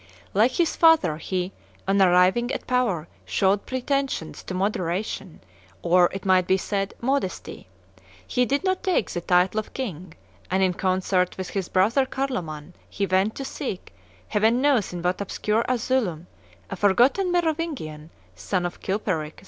Like his father, he, on arriving at power, showed pretensions to moderation, or, it might be said, modesty. He did not take the title of king; and, in concert with his brother Carloman, he went to seek, Heaven knows in what obscure asylum, a forgotten Merovingian, son of Chilperic II.